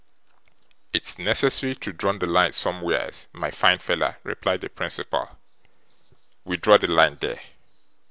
'It's necessary to draw the line somewheres, my fine feller,' replied the principal. 'We draw the line there.